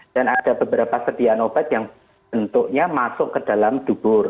dan ada beberapa sediaan obat yang bentuknya masuk ke dalam dubur